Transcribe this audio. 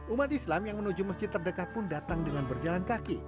umat islam yang menuju masjid terdekat pun datang dengan berjalan kaki